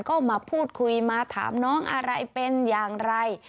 ก็มาพูดคุยมาถามน้องอะไรเป็นอย่างไร